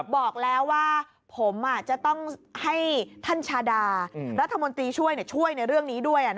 บอกแล้วว่าผมจะต้องให้ท่านชาดารัฐมนตรีช่วยช่วยในเรื่องนี้ด้วย